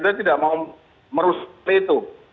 tapi kita tidak mau merusak itu